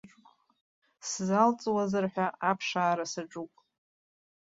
Сзалҵуазар ҳәа аԥшаара саҿуп.